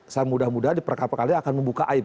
saya mudah mudahan diperkara perkara ini akan membuka aib